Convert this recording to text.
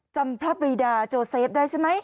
จำพระปรีดาโจเซฟได้ใช่ไหม